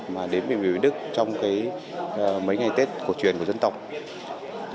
mà đến bệnh viện việt đức trong mấy ngày tết cổ truyền của dân tộc